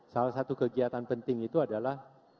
salah satu kegiatan penting itu adalah